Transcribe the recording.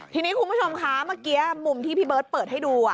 ทีนี้คุณผู้ชมคะเมื่อกี้มุมที่พี่เบิร์ตเปิดให้ดู